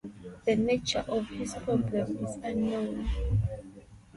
The nature of his problem is unknown.